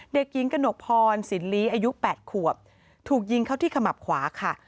เด็กหญิงกระหนกพรสินลีอายุ๘ขวบถูกยิงเข้าที่ขมับขวาค่ะ